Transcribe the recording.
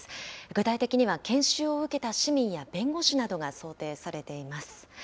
具体的には研修を受けた市民や弁護士などが想定されています。